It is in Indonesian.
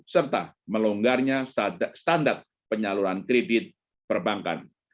serta melonggarnya standar penyaluran kredit perbankan